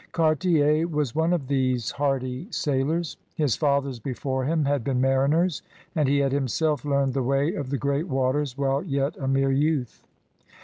Cartier was one of these hardy sailors. His fathers before him had been mariners, and he had himself learned the way of the great waters while yet a mere youth.